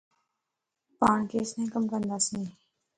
پاڻ ڪيستائي ڪم ڪنداسين